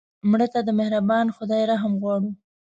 مړه ته د مهربان خدای رحم غواړو